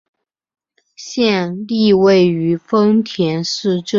县莅位于丰田市镇。